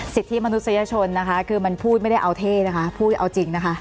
สิทธิมนุษยชนนะคะคือมันพูดไม่ได้เอาเท่นะคะพูดเอาจริงนะคะ